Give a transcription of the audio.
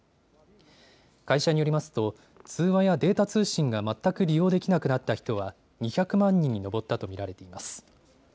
会社によりますと通話やデータ通信が全く利用できなくなった人は２００万人に上ったと見られています。